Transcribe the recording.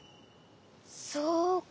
そうか。